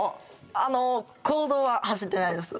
あの公道は走ってないです